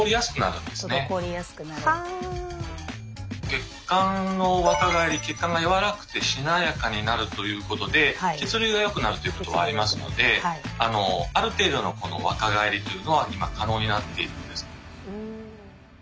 血管の若返り血管が柔らかくてしなやかになるということで血流がよくなるということはありますのである程度の若返りというのは今可能になっているんです。